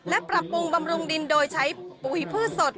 และปรับปรุงบำรุงดินโดยใช้ปุ๋ยพืชสด